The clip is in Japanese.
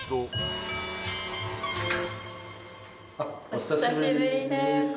お久しぶりです。